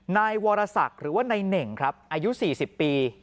นายวรศักดิ์หรือว่านายเหน่งครับอายุ๔๐ปี